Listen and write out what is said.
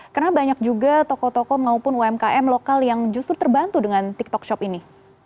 karena banyak juga tokoh tokoh maupun umkm lokal yang justru terbantu dengan tiktok shop ini